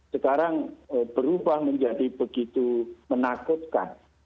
sekarang berubah menjadi begitu menakutkan